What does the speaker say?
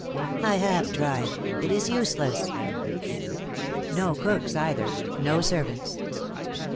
"I have tried it is useless." No cooks, either. No servants.